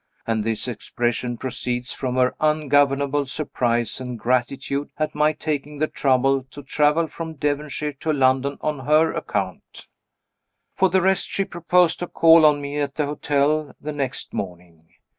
And this expression proceeds from her ungovernable surprise and gratitude at my taking the trouble to travel from Devonshire to London on her account! For the rest, she proposed to call on me at the hotel the next morning.